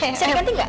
bisa diganti gak